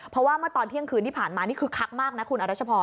เพราะว่าเมื่อตอนเที่ยงคืนที่ผ่านมานี่คือคักมากนะคุณอรัชพร